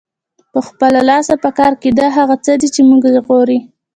په خپله لاس پکار کیدل هغه څه دي چې مونږ ژغوري.